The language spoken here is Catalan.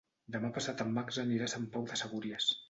Demà passat en Max anirà a Sant Pau de Segúries.